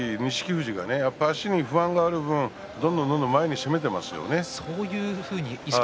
富士は足に不安がある分どんどん前に攻めていますね。